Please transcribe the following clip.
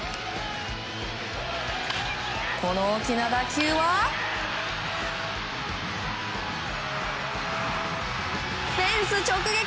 この大きな打球はフェンス直撃。